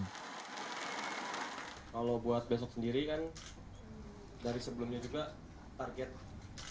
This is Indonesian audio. kalau buat besok sendiri kan dari sebelumnya juga target